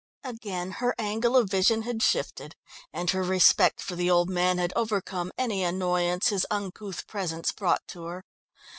Again her angle of vision had shifted, and her respect for the old man had overcome any annoyance his uncouth presence brought to her.